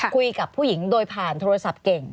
คุยกับผู้หญิงโดยผ่านโทรศัพท์เก่ง